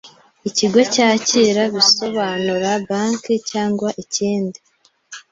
Ikigo cyakira bisobanura banki cyangwa ikindi